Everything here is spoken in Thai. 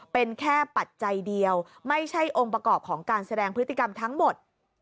เป็นแค่ปัจจัยเดียวไม่ใช่องค์ประกอบของการแสดงพฤติกรรมทั้งหมด